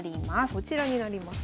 こちらになります。